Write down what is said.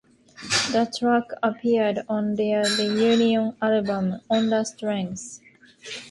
The track appeared on their reunion album "On the Strength".